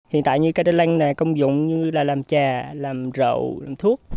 hiện tại như cây đinh lăng này công dụng như là làm trà làm rậu làm thuốc